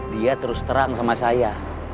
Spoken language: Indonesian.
dia terus terang sama saya